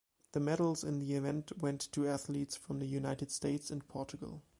The medals in the event went to athletes from the United States and Portugal.